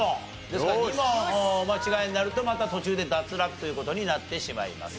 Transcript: ですから２問お間違えになるとまた途中で脱落という事になってしまいます。